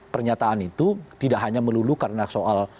pernyataan itu tidak hanya melulu karena soal